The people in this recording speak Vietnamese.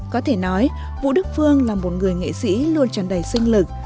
có thể nói vũ đức phương là một người nghệ sĩ luôn tràn đầy sinh lực